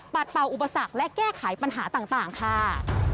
เป่าอุปสรรคและแก้ไขปัญหาต่างค่ะ